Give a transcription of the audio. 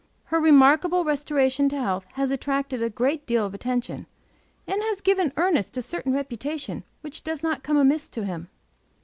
Her remarkable restoration to health has attracted a good deal of attention, and has given Ernest a certain reputation which does not come amiss to him.